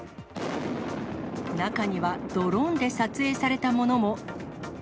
中にはドローンで撮影されたものも。